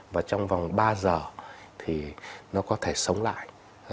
và trong vòng ba giờ thì nó có thể sống lại